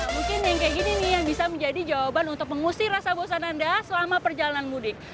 mungkin yang kayak gini nih yang bisa menjadi jawaban untuk mengusir rasa bosan anda selama perjalanan mudik